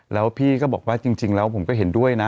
แล้วพี่ก็บอกว่าจริงแล้วผมก็เห็นด้วยนะ